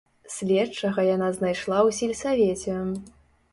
Следчага яна знайшла ў сельсавеце.